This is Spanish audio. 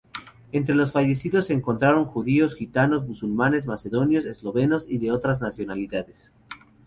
Entre los fallecidos se encontraron: judíos, gitanos, musulmanes, macedonios, eslovenos y de otras nacionalidades.